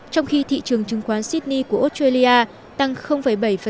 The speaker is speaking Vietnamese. trong khi thị trường chứng khoán sydney của australia tăng bảy